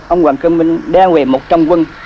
ông hoàng cơ minh đang về một trong quân